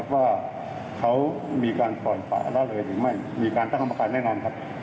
ว่าเขามีการปล่อยป่าละเลยหรือไม่มีการตั้งกรรมการแน่นอนครับ